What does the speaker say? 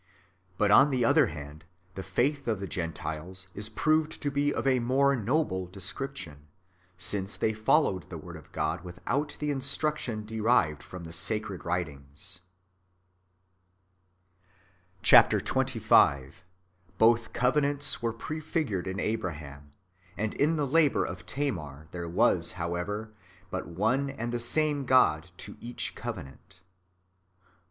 But, on the other hand, the faith of the Gentiles is proved to be of a more noble description, since they followed the word of God without the instruction [derived] from the [sacred] writings {sine insiructione literarum). Chap. xxv. — Bo'h covenants u'cre 'prefirjured in Ahraham, and in the lahour of Tamar ; there icas, hoicevei'y but one and the same God to each covenant.